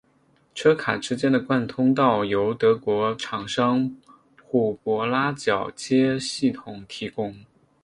车卡之间的贯通道由德国厂商虎伯拉铰接系统提供。